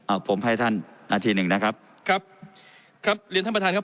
เอาผมให้ท่านนาทีหนึ่งนะครับครับครับเรียนท่านประธานครับ